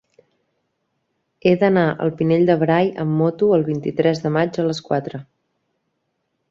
He d'anar al Pinell de Brai amb moto el vint-i-tres de maig a les quatre.